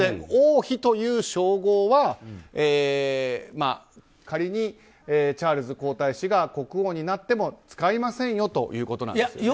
王妃という称号は仮にチャールズ皇太子が国王になっても使いませんよということなんです。